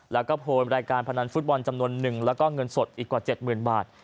แล้วก็โพยรายการพนันฟุตบอลจำนวนหนึ่งแล้วก็เงินสดอีกกว่า๗๐๐๐บาท